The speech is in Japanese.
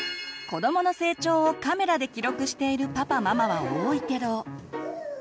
子どもの成長をカメラで記録しているパパママは多いけど。